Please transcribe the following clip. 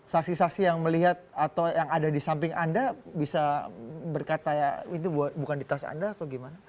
saksi saksi yang melihat atau yang ada di samping anda bisa berkata itu bukan di tas anda atau gimana